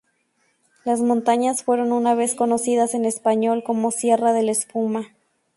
Las montañas fueron una vez conocidas en español como Sierra de la Espuma.